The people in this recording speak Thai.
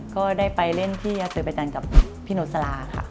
ก็ได้ไปเล่นที่อาเตอร์ใบตันกับพี่โนสลาค่ะ